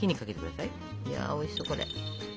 いやおいしそうこれ。